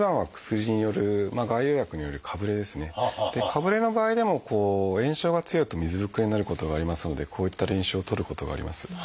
かぶれの場合でも炎症が強いと水ぶくれになることがありますのでこういった臨床をとることがあります。